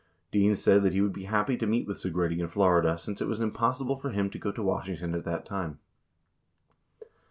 41 Dean said that he would be happy to meet with Segretti in Florida, since it was impossible for him to go to Washington at that time.